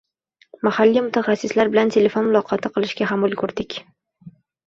mahalliy mutaxassislar bilan telefon muloqoti qilishga ham ulgurdik.